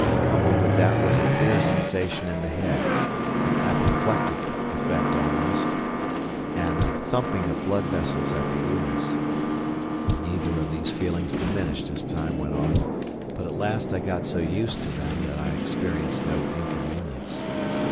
Coupled with that was a queer sensation in the head, an apoplectic effect almost, and a thumping of blood vessels at the ears. Neither of these feelings diminished as time went on, but at last I got so used to them that I experienced no inconvenience.